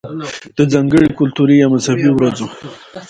ده ځانګړې کلتوري يا مذهبي ورځو